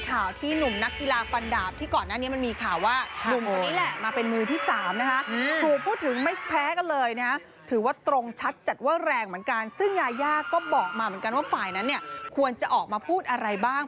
ซึ่งยายาก็บอกมาเหมือนกันว่าฝ่ายนั้นควรจะออกมาพูดอะไรบ้าง